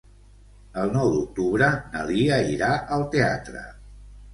El nou d'octubre na Lia irà al teatre.